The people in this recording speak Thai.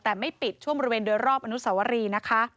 แต่ไม่ปิดช่วงบริเวณโดยรอบอนุสวรีนะคะ